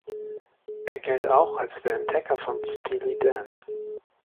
Er gilt auch als der Entdecker von Steely Dan.